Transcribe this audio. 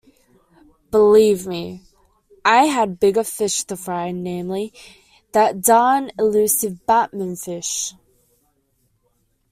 Believe me, I had bigger fish to fry, namely, that darn elusive Batmanfish.